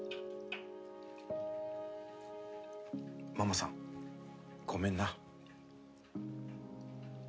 ママさんごめんな。